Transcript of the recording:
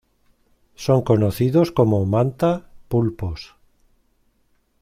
Son conocidos como Manta, Pulpos...